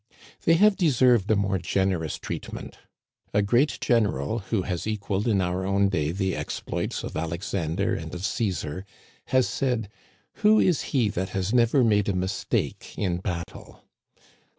They have deserved a more gener ous treatment. A great general, who has equaled in our own day the exploits of Alexander and of Caesar, has said :" Who is he that has never made a mistake in battle?"